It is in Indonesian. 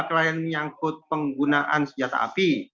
klien menyangkut penggunaan senjata api